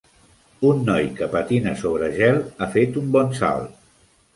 Un noi que patina sobre gel ha fet un bon salt.